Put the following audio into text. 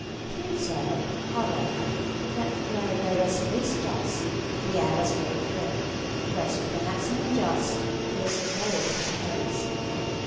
He observed, however, that where there was least dust, the air was very clear; whereas with the maximum of dust, there was a very thick haze.